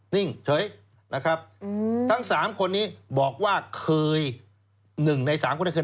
นิ่งเฉยนะครับทั้ง๓คนนี้บอกว่าเคย๑ใน๓คนนี้คือ